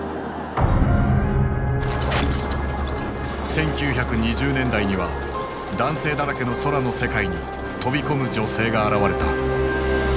１９２０年代には男性だらけの空の世界に飛び込む女性が現れた。